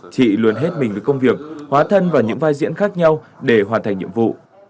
chị luôn hết mình với công việc hóa thân vào những vai diễn khác nhau để hoàn thành nhiệm vụ